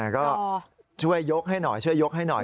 ก็ช่วยยกให้หน่อยช่วยยกให้หน่อย